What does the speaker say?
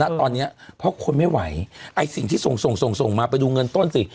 ตอนเนี้ยเพราะคนไม่ไหวไอ้สิ่งที่ส่งส่งส่งมาไปดูเงินต้นสิ